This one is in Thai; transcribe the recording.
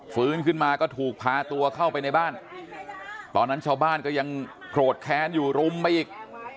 ฟื้นขึ้นมาก็ถูกพาตัวเข้าไปในบ้านตอนนั้นชาวบ้านก็ยังโกรธแค้นอยู่รุมไปอีก